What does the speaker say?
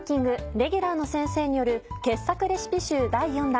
レギュラーの先生による傑作レシピ集第４弾。